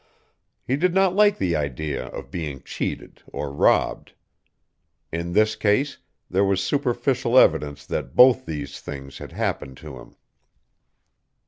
He did not like the idea of being cheated or robbed. In this case there was superficial evidence that both these things had happened to him.